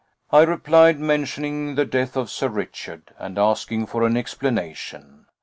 I replied, mentioning the death of Sir Richard, and asking for an explanation.